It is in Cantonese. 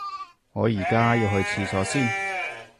我而家要去廁所先